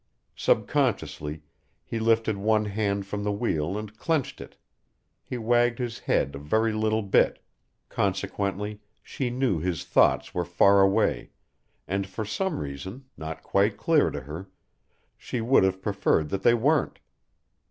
Subconsciously he lifted one hand from the wheel and clenched it; he wagged his head a very little bit; consequently she knew his thoughts were far away, and for some reason, not quite clear to her, she would have preferred that they weren't.